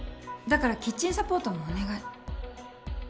だからキッチンサポートもお願い。